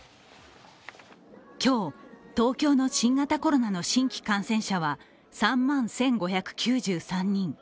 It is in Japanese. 今日、東京の新型コロナの新規感染者は３万１５９３人。